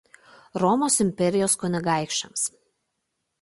Romos imperijos kunigaikščiams.